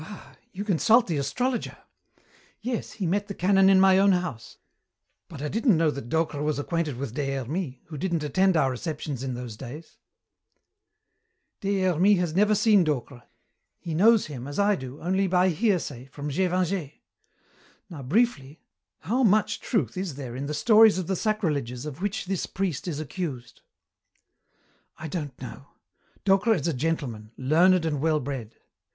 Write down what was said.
"Ah, you consult the astrologer! Yes, he met the Canon in my own house, but I didn't know that Docre was acquainted with Des Hermies, who didn't attend our receptions in those days" "Des Hermies has never seen Docre. He knows him, as I do, only by hearsay, from Gévingey. Now, briefly, how much truth is there in the stories of the sacrileges of which this priest is accused?" "I don't know. Docre is a gentleman, learned and well bred.